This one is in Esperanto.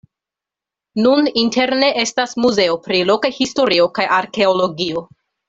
Nun interne estas muzeo pri loka historio kaj arkeologio.